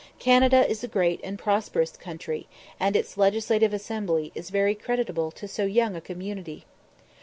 Canada is a great and prosperous country, and its Legislative Assembly is very creditable to so young a community.